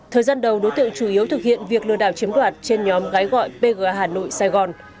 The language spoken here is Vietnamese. thời gian đầu đối tượng chủ yếu thực hiện việc lừa đảo chiếm đoạt trên nhóm gái gọi pga hà nội sài gòn